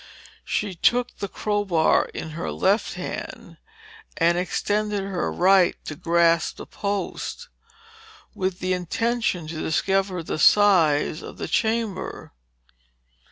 She took the crowbar in her left hand and extended her right to grasp the post, with the intention to discover the size of the chamber.